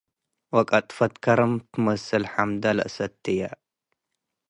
ወቀጥፈት ከረም ትመስል ሐምደ ተአስትየ